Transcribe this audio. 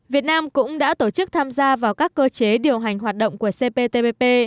việt nam cũng đã tổ chức tham gia vào các cơ chế điều hành hoạt động của cptpp